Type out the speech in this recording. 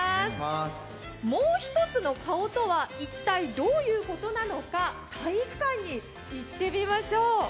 もう一つの顔とは一体どういうことなのか、体育館に行ってみましょう。